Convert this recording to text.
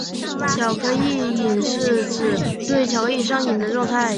巧克力瘾是指对巧克力上瘾的状态。